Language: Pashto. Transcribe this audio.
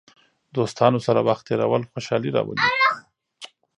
دوستانو سره وخت تېرول خوشحالي راولي.